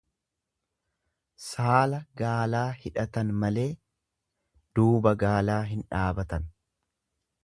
Saala gaalaa hidhatan malee, duuba gaalaa hin dhaabatan.